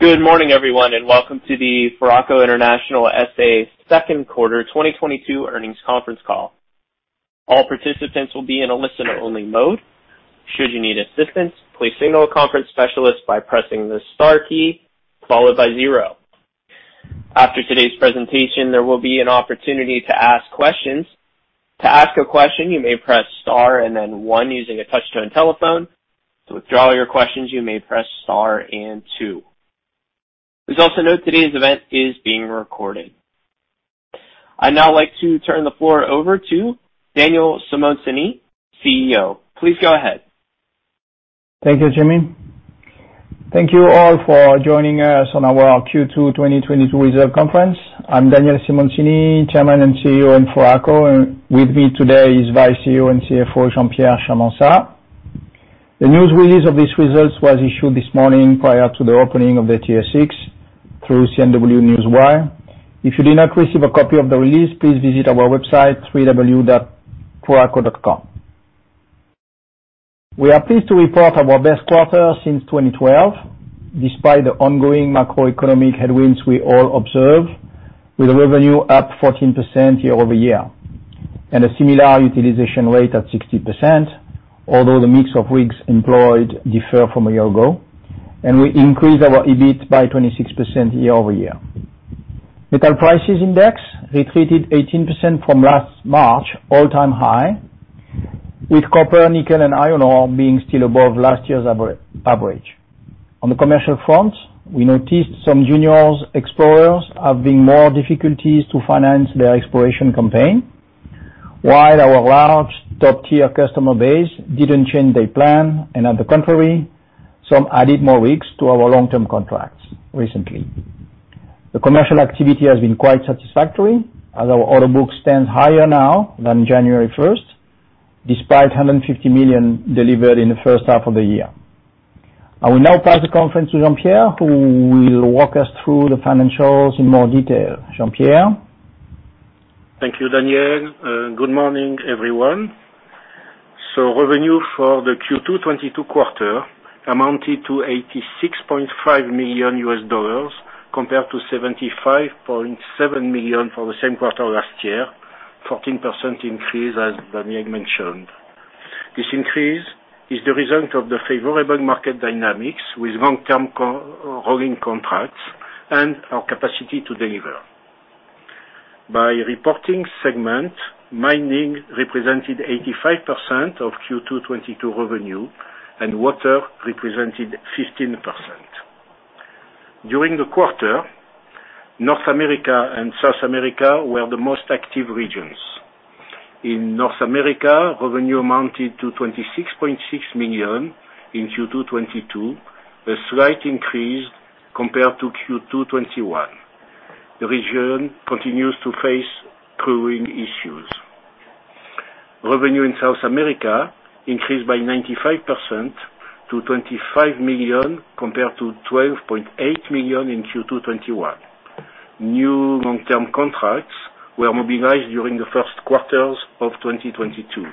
Good morning everyone, and welcome to the Foraco International SA second quarter 2022 earnings conference call. All participants will be in a listen-only mode. Should you need assistance, please signal a conference specialist by pressing the star key followed by zero. After today's presentation, there will be an opportunity to ask questions. To ask a question, you may press star and then one using a touch-tone telephone. To withdraw your questions, you may press star and two. Please also note today's event is being recorded. I'd now like to turn the floor over to Daniel Simoncini, CEO. Please go ahead. Thank you, Jimmy. Thank you all for joining us on our Q2 2022 results conference. I'm Daniel Simoncini, Chairman and CEO of Foraco, and with me today is Vice CEO and CFO, Jean-Pierre Charmensat. The news release of these results was issued this morning prior to the opening of the TSX through CNW Newswire. If you did not receive a copy of the release, please visit our website, www.foraco.com. We are pleased to report our best quarter since 2012, despite the ongoing macroeconomic headwinds we all observe, with revenue up 14% year-over-year and a similar utilization rate at 60%, although the mix of rigs employed differ from a year ago, and we increased our EBIT by 26% year-over-year. Metal prices index retreated 18% from last March all-time high, with copper, nickel, and iron ore being still above last year's average. On the commercial front, we noticed some junior explorers are having more difficulties to finance their exploration campaign. While our large top-tier customer base didn't change their plan, and on the contrary, some added more rigs to our long-term contracts recently. The commercial activity has been quite satisfactory as our order book stands higher now than January 1st, despite 150 million delivered in the first half of the year. I will now pass the conference to Jean-Pierre, who will walk us through the financials in more detail. Jean-Pierre? Thank you, Daniel, good morning, everyone. Revenue for the Q2 2022 quarter amounted to $86.5 million compared to $75.7 million for the same quarter last year, 14% increase, as Daniel mentioned. This increase is the result of the favorable market dynamics with long-term core drilling contracts and our capacity to deliver. By reporting segment, mining represented 85% of Q2 2022 revenue, and water represented 15%. During the quarter, North America and South America were the most active regions. In North America, revenue amounted to 26.6 million in Q2 2022, a slight increase compared to Q2 2021. The region continues to face crewing issues. Revenue in South America increased by 95% to 25 million, compared to 12.8 million in Q2 2021. New long-term contracts were mobilized during the first quarter of 2022.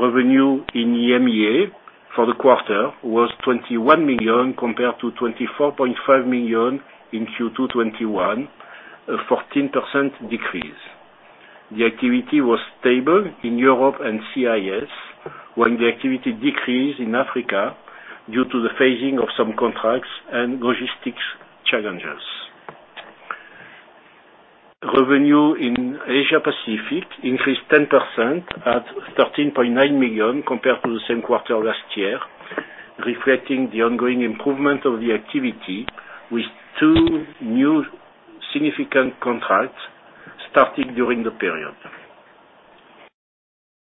Revenue in EMEA for the quarter was 21 million compared to 24.5 million in Q2 2021, a 14% decrease. The activity was stable in Europe and CIS, while the activity decreased in Africa due to the phasing of some contracts and logistics challenges. Revenue in Asia-Pacific increased 10% at 13.9 million compared to the same quarter last year, reflecting the ongoing improvement of the activity with two new significant contracts starting during the period.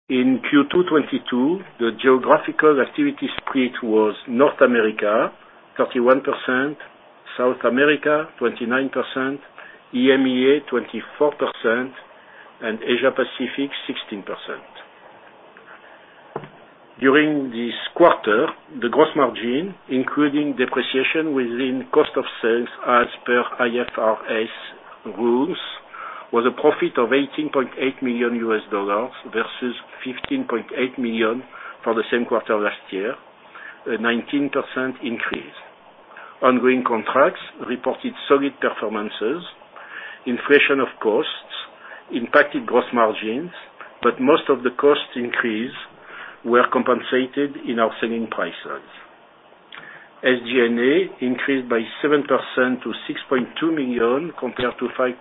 In Q2 2022, the geographical activity split was North America 31%, South America 29%, EMEA 24%, and Asia Pacific 16%. During this quarter, the gross margin, including depreciation within cost of sales as per IFRS rules, was a profit of $18.8 million versus $15.8 million for the same quarter last year, a 19% increase. Ongoing contracts reported solid performances. Inflation of costs impacted gross margins, but most of the cost increase were compensated in our selling prices. SG&A increased by 7% to 6.2 million, compared to 5.8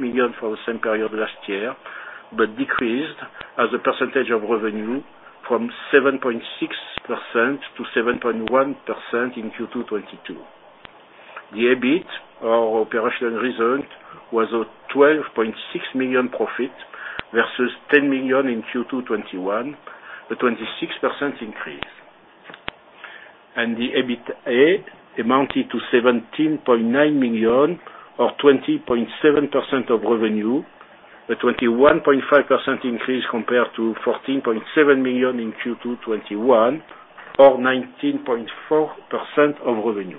million for the same period last year, but decreased as a percentage of revenue from 7.6% to 7.1% in Q2 2022. The EBIT, our operational result, was a 12.6 million profit versus 10 million in Q2 2021, a 26% increase. The EBITDA amounted to 17.9 million or 20.7% of revenue, a 21.5% increase compared to 14.7 million in Q2 2021, or 19.4% of revenue.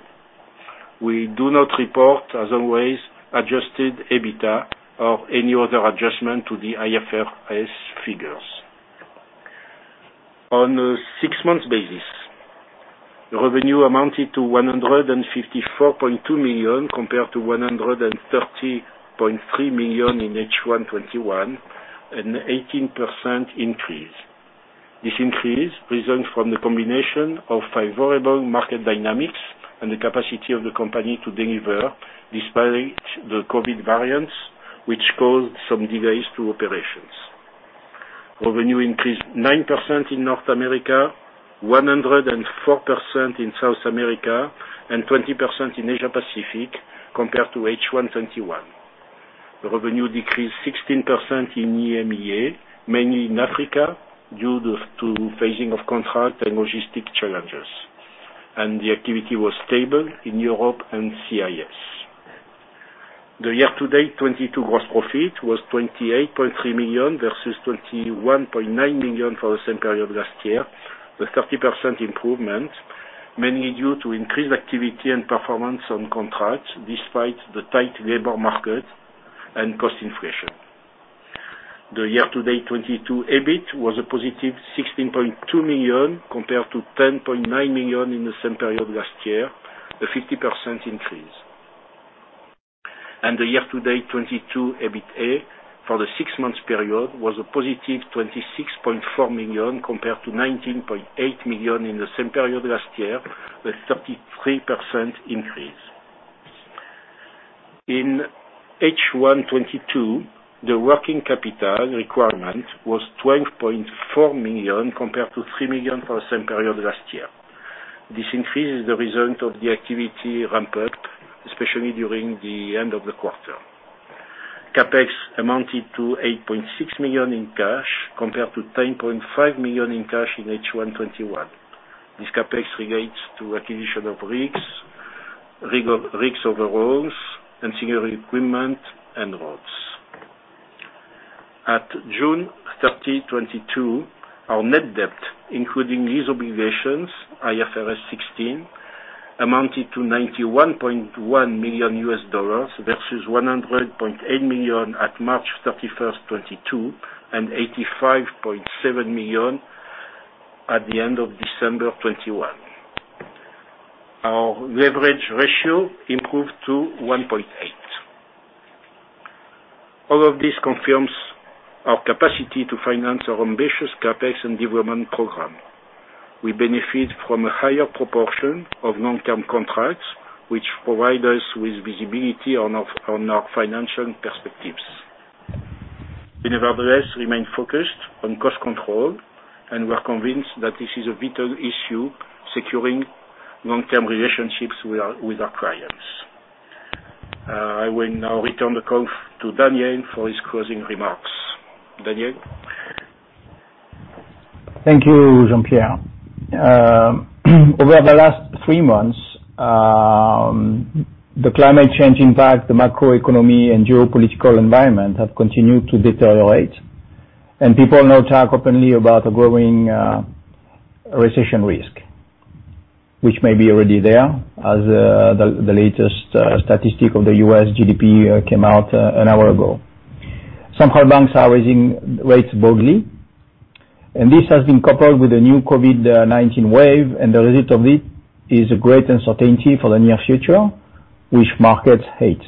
We do not report, as always, adjusted EBITDA or any other adjustment to the IFRS figures. On a six month basis, revenue amounted to 154.2 million compared to 130.3 million in H1 2021, an 18% increase. This increase arises from the combination of favorable market dynamics and the capacity of the company to deliver despite the COVID variants, which caused some delays to operations. Revenue increased 9% in North America, 104% in South America, and 20% in Asia Pacific compared to H1 2021. The revenue decreased 16% in EMEA, mainly in Africa, due to phasing of contracts and logistical challenges. The activity was stable in Europe and CIS. The year-to-date 2022 gross profit was 28.3 million versus 21.9 million for the same period last year, a 30% improvement, mainly due to increased activity and performance on contracts despite the tight labor market and cost inflation. The year-to-date 2022 EBIT was a positive 16.2 million compared to 10.9 million in the same period last year, a 50% increase. The year-to-date 2022 EBITDA for the six months period was a positive 26.4 million compared to 19.8 million in the same period last year, a 33% increase. In H1 2022, the working capital requirement was 12.4 million compared to 3 million for the same period last year. This increase is the result of the activity ramp up, especially during the end of the quarter. CapEx amounted to 8.6 million in cash compared to 10.5 million in cash in H1 2021. This CapEx relates to acquisition of rigs, rig overhauls, and spare equipment and rods. At June 30, 2022, our net debt, including lease obligations, IFRS 16, amounted to $91.1 million versus $100.8 million at March 31st, 2022, and $85.7 million at the end of December 2021. Our leverage ratio improved to 1.8x. All of this confirms our capacity to finance our ambitious CapEx and development program. We benefit from a higher proportion of long-term contracts, which provide us with visibility on our financial perspectives. Nevertheless, remain focused on cost control, and we are convinced that this is a vital issue, securing long-term relationships with our clients. I will now return the call to Daniel for his closing remarks. Daniel? Thank you, Jean-Pierre. Over the last three months, the climate change impact, the macroeconomy and geopolitical environment have continued to deteriorate, and people now talk openly about a growing recession risk, which may be already there, as the latest statistic of the U.S. GDP came out an hour ago. Some central banks are raising rates boldly, and this has been coupled with a new COVID-19 wave, and the result of it is a great uncertainty for the near future, which markets hate.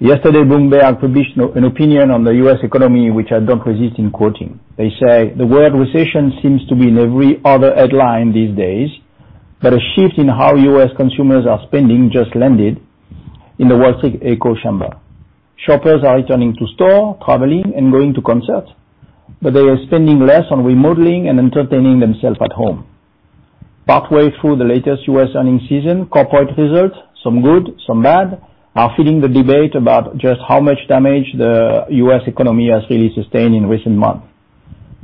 Yesterday, Bloomberg published an opinion on the U.S. economy, which I can't resist in quoting. They say, "The word recession seems to be in every other headline these days, but a shift in how U.S. consumers are spending just landed in the Wall Street echo chamber. Shoppers are returning to stores, traveling, and going to concerts, but they are spending less on remodeling and entertaining themselves at home. Partway through the latest U.S. earnings season, corporate results, some good, some bad, are feeding the debate about just how much damage the U.S. economy has really sustained in recent months.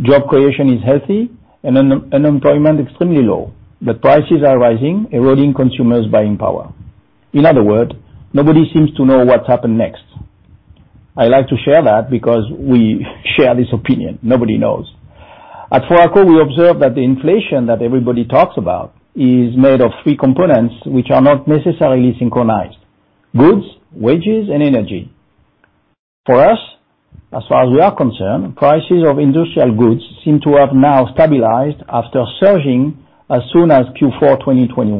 Job creation is healthy and unemployment extremely low, but prices are rising, eroding consumers' buying power. In other words, nobody seems to know what's happened next. I like to share that because we share this opinion. Nobody knows. At Foraco, we observe that the inflation that everybody talks about is made of three components which are not necessarily synchronized, goods, wages, and energy. For us, as far as we are concerned, prices of industrial goods seem to have now stabilized after surging as soon as Q4 2021,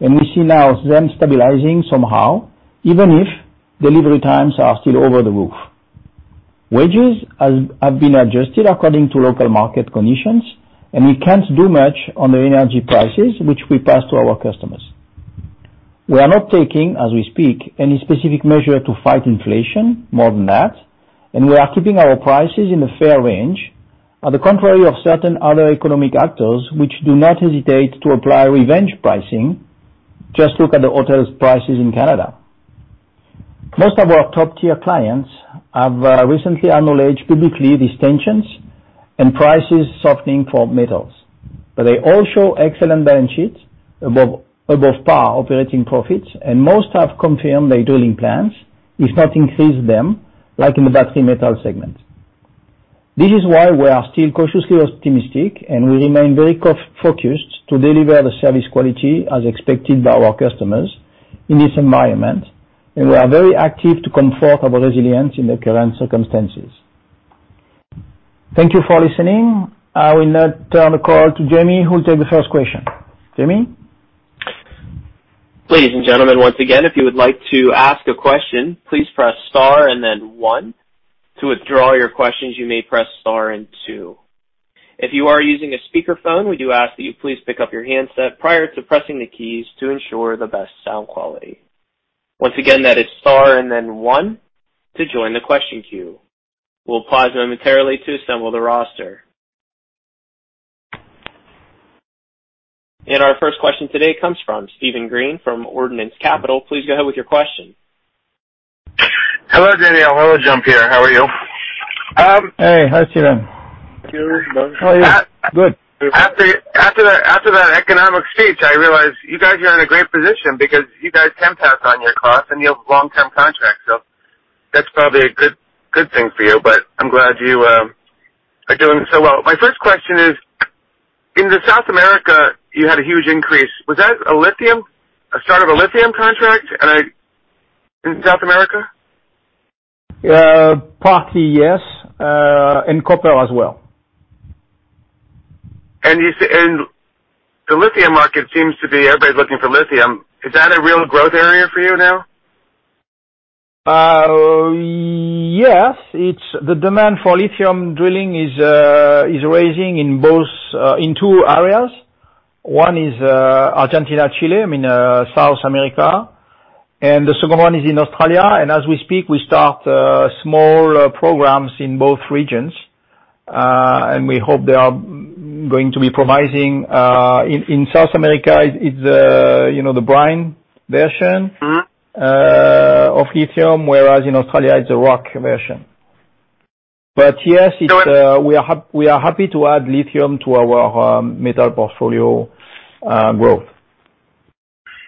and we see now them stabilizing somehow, even if delivery times are still through the roof. Wages have been adjusted according to local market conditions, and we can't do much on the energy prices, which we pass to our customers. We are not taking, as we speak, any specific measure to fight inflation more than that, and we are keeping our prices in a fair range, to the contrary of certain other economic actors which do not hesitate to apply revenge pricing. Just look at the hotel prices in Canada. Most of our top-tier clients have recently acknowledged publicly these tensions and prices softening for metals, but they all show excellent balance sheets above par operating profits, and most have confirmed their drilling plans, if not increased them, like in the battery metal segment. This is why we are still cautiously optimistic, and we remain very focused to deliver the service quality as expected by our customers. In this environment, we are very active to confirm our resilience in the current circumstances. Thank you for listening. I will now turn the call to Jamie, who will take the first question. Jamie? Ladies and gentlemen, once again, if you would like to ask a question, please press star and then one. To withdraw your questions, you may press star and two. If you are using a speakerphone, we do ask that you please pick up your handset prior to pressing the keys to ensure the best sound quality. Once again, that is star and then one to join the question queue. We'll pause momentarily to assemble the roster. Our first question today comes from Steven Green from Ordnance Capital. Please go ahead with your question. Hello, Daniel. Hello, Jean-Pierre. How are you? Hey. Hi, Steven. How are you? Good. After that economic speech, I realized you guys are in a great position because you guys can pass on your costs and you have long-term contracts. That's probably a good thing for you, but I'm glad you are doing so well. My first question is, in South America, you had a huge increase. Was that a start of a lithium contract in South America? Partly, yes, in copper as well. The lithium market seems to be everybody's looking for lithium. Is that a real growth area for you now? Yes. It's the demand for lithium drilling is rising in both in two areas. One is Argentina, Chile, I mean South America, and the second one is in Australia. As we speak, we start small programs in both regions, and we hope they are going to be promising. In South America, it's you know, the brine version. Mm-hmm. of lithium, whereas in Australia it's a rock version. Yes, it's. We are happy to add lithium to our metal portfolio growth.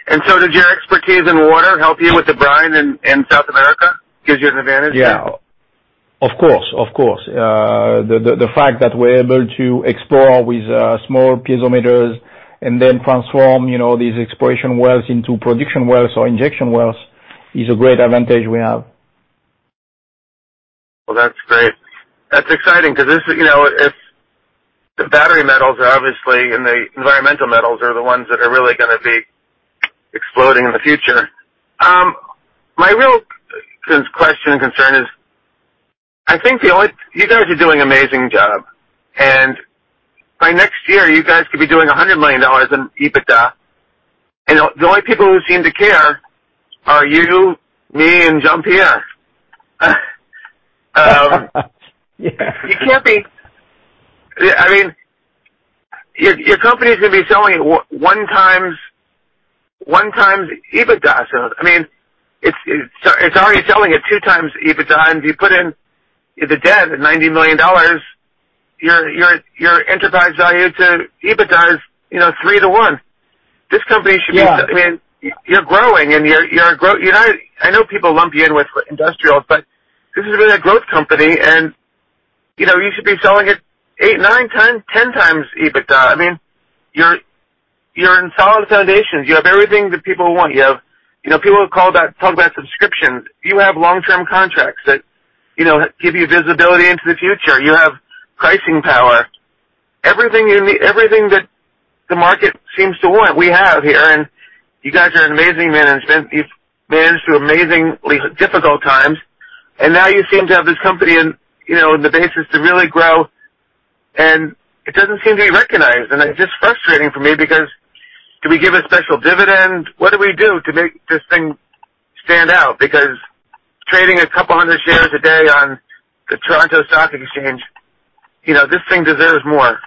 Does your expertise in water help you with the brine in South America? Gives you an advantage there? Yeah. Of course. The fact that we're able to explore with small piezometers and then transform, you know, these exploration wells into production wells or injection wells is a great advantage we have. Well, that's great. That's exciting because this, you know, if the battery metals are obviously and the environmental metals are the ones that are really gonna be exploding in the future. My real question and concern is, I think you guys are doing an amazing job, and by next year, you guys could be doing $100 million in EBITDA. The only people who seem to care are you, me, and Jean-Pierre. Yeah. I mean, your company is gonna be selling 1x EBITDA. I mean, it's already selling at 2x EBITDA, and if you put in the debt at $90 million, your enterprise value to EBITDA is, you know, 3.0x. This company should be Yeah. I mean, you're growing. You know, I know people lump you in with industrials, but this has been a growth company, and you know, you should be selling at 8x, 9x, 10x EBITDA. I mean, you're in solid foundations. You have everything that people want. You have, you know, people call that talk about subscriptions. You have long-term contracts that, you know, give you visibility into the future. You have pricing power. Everything that the market seems to want, we have here. You guys are an amazing management. You've managed through amazingly difficult times, and now you seem to have this company, and you know, the basis to really grow, and it doesn't seem to be recognized. It's just frustrating for me because do we give a special dividend? What do we do to make this thing stand out? Because trading a couple hundred shares a day on the Toronto Stock Exchange, you know, this thing deserves more.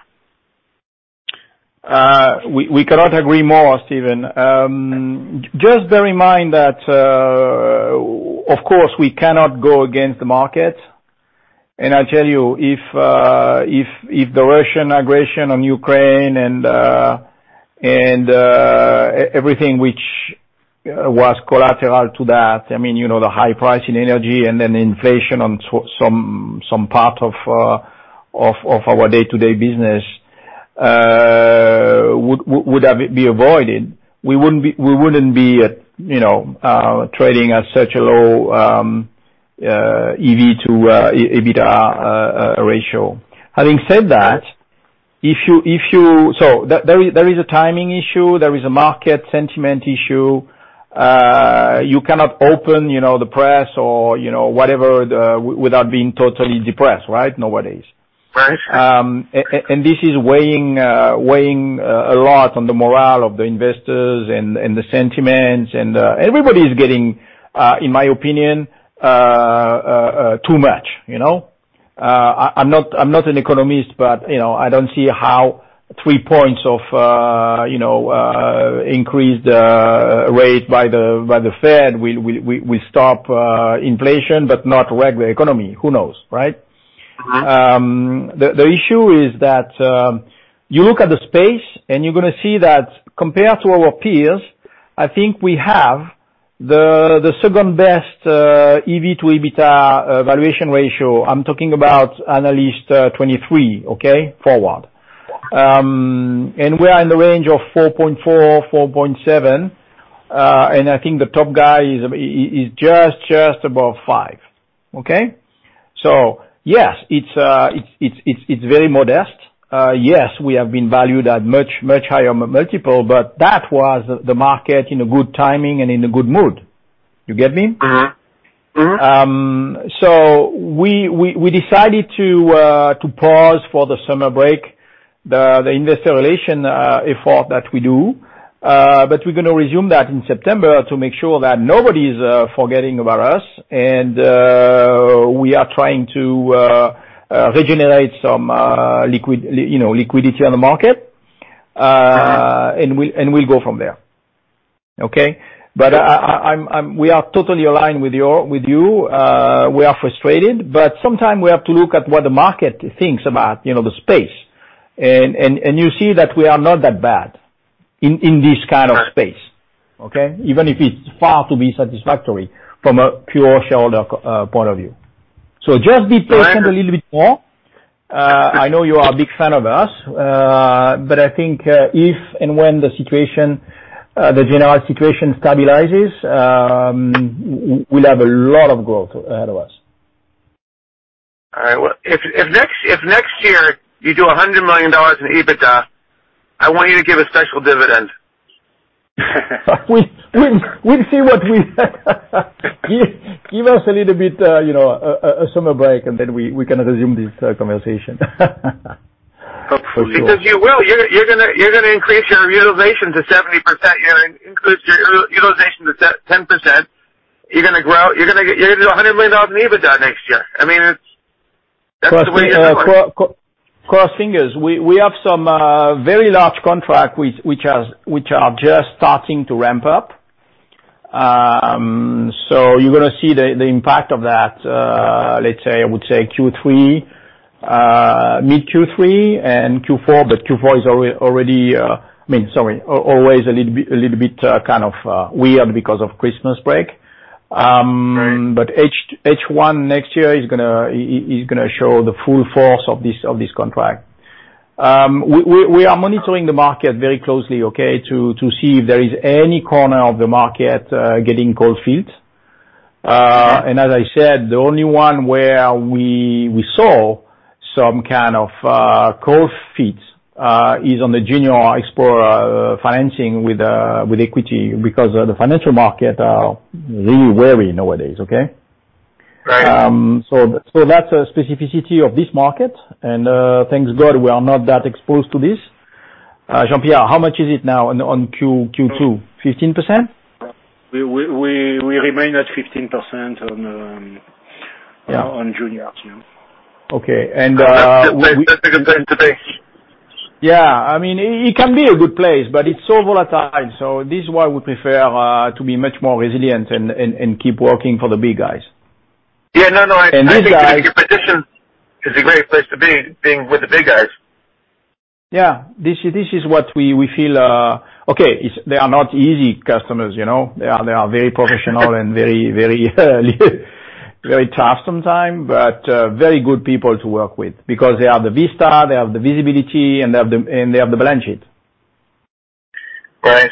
We cannot agree more, Steven. Just bear in mind that, of course, we cannot go against the market. I tell you if the Russian aggression on Ukraine and everything which was collateral to that, I mean, you know, the high price in energy and then inflation on some part of our day-to-day business would have been avoided. We wouldn't be at, you know, trading at such a low EV to EBITDA ratio. Having said that, if you. There is a timing issue. There is a market sentiment issue. You cannot open, you know, the press or, you know, whatever, without being totally depressed, right? Nowadays. Right. This is weighing a lot on the morale of the investors and the sentiments. Everybody is getting, in my opinion, too much, you know. I'm not an economist, but, you know, I don't see how three points of increased rate by the Fed will stop inflation but not wreck the economy. Who knows, right? Right. The issue is that you look at the space, and you're gonna see that compared to our peers, I think we have the second best EV to EBITDA valuation ratio. I'm talking about analyst 2023 forward, okay? We are in the range of 4.4x-4.7x. I think the top guy is just above 5x. Okay? Yes, it's very modest. Yes, we have been valued at much higher multiple, but that was the market in a good timing and in a good mood. You get me? Mm-hmm. We decided to pause for the summer break, the investor relation effort that we do. We're gonna resume that in September to make sure that nobody's forgetting about us. We are trying to regenerate some, you know, liquidity on the market. All right. We'll go from there. Okay? We are totally aligned with you. We are frustrated, but sometimes we have to look at what the market thinks about, you know, the space. You see that we are not that bad in this kind of space, okay? Even if it's far from being satisfactory from a pure shareholder point of view. Just be patient a little bit more. I know you are a big fan of us, but I think if and when the general situation stabilizes, we'll have a lot of growth ahead of us. All right. Well, if next year you do $100 million in EBITDA, I want you to give a special dividend. We'll see what we give us a little bit, you know, a summer break, and then we can resume this conversation. Hopefully. Because you will. You're gonna increase your utilization to 70%. You're gonna increase your utilization to 10%. You're gonna grow. You're gonna do $100 million in EBITDA next year. I mean, it's. That's the way it looks like. Cross fingers. We have some very large contracts which are just starting to ramp up. So, you're gonna see the impact of that, let's say, I would say Q3, mid-Q3 and Q4, but Q4 is already, I mean, sorry, always a little bit kind of weird because of Christmas break. Right. H1 next year is gonna show the full force of this contract. We are monitoring the market very closely, okay? To see if there is any corner of the market getting cold feet. As I said, the only one where we saw some kind of cold feet is on the junior explorer financing with equity because the financial markets are really wary nowadays, okay? Right. That's a specificity of this market and, thank God we are not that exposed to this. Jean-Pierre, how much is it now on Q2? 15%? We remain at 15% on. Yeah. On junior, yeah. Okay. That's a good place to be. Yeah. I mean, it can be a good place, but it's so volatile. This is why we prefer to be much more resilient and keep working for the big guys. Yeah. No, I think These guys. Competition is a great place to be, being with the big guys. Yeah. This is what we feel. They are not easy customers, you know. They are very professional and very tough sometimes, but very good people to work with because they have the vista, they have the visibility, and they have the balance sheet. Right.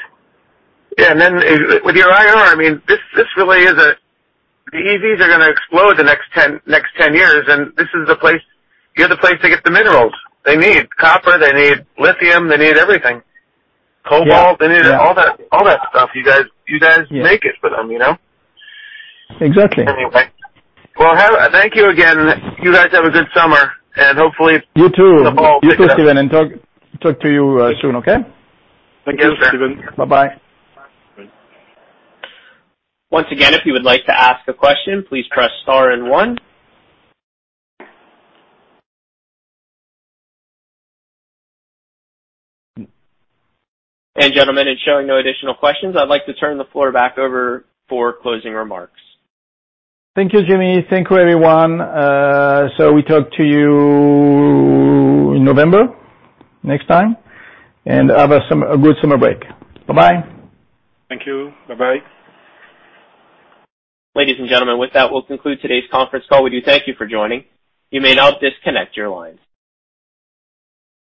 Yeah. With your IR, I mean, this really is. The EVs are gonna explode the next 10 years, and this is the place. You're the place to get the minerals they need. Copper, they need lithium, they need everything. Yeah. Cobalt. Yeah. They need all that stuff. You guys make it for them, you know? Exactly. Anyway. Well, thank you again. You guys have a good summer, and hopefully. You too. The fall picks up. You too, Steven, and talk to you soon. Okay? Thank you, Steven. Bye-bye. Bye. Bye. Once again, if you would like to ask a question, please press star and one. Gentlemen, it's showing no additional questions. I'd like to turn the floor back over for closing remarks. Thank you, Jimmy. Thank you, everyone. We talk to you in November next time, and have a good summer break. Bye-bye. Thank you. Bye-bye. Ladies and gentlemen, with that, we'll conclude today's conference call. We do thank you for joining. You may now disconnect your lines.